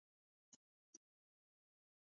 ukaogopa na kuanza kukimbia lakini ni nyoka